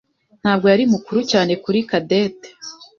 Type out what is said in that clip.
ntabwo yari mukuru cyane kuri Cadette.